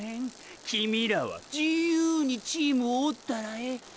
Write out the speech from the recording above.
キミィらは自由にチームを追ったらええ。